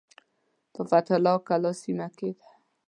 په فتح الله کلا سیمه کې دی.